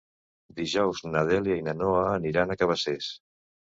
Dijous na Dèlia i na Noa aniran a Cabacés.